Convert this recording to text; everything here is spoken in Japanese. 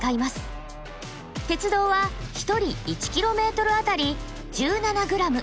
鉄道は１人１ｋｍあたり１７ｇ。